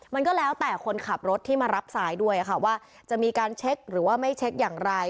มันก็แล้วแต่คนขับรถที่มารับสายด้วยค่ะว่าจะมีการเช็คหรือว่าไม่เช็คอย่างไร